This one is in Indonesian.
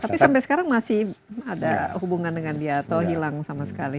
tapi sampai sekarang masih ada hubungan dengan dia atau hilang sama sekali